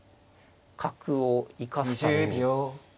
角を生かすために。